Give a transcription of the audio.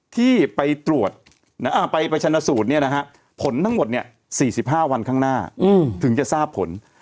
ที่ไปตรวจไปชนะสูตรผลทั้งหมด๔๕วันข้างหน้าถึงจะทราบผล